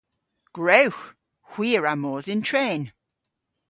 Gwrewgh! Hwi a wra mos yn tren.